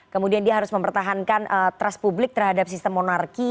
kemudian dia harus mempertahankan trust publik terhadap sistem monarki